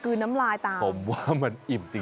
คือน้ำลายตาผมว่ามันอิ่มจริง